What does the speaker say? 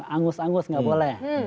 angus angus enggak boleh